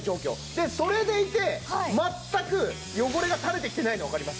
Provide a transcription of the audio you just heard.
でそれでいて全く汚れが垂れてきてないのわかります？